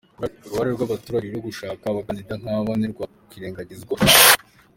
Uruhare rw’abaturage rero mu gushaka abakandida nk’aba ntirwakwirengagizwa.